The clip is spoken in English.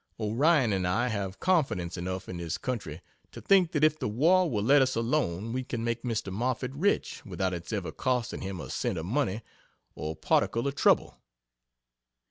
Orion and I have confidence enough in this country to think that if the war will let us alone we can make Mr. Moffett rich without its ever costing him a cent of money or particle of trouble.